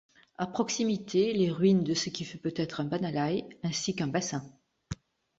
À proximité, les ruines de ce qui fut peut-être un bannalai, ainsi qu'un bassin.